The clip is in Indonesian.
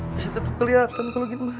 masih tetap kelihatan kalau gitu